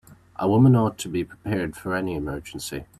A woman ought to be prepared for any emergency.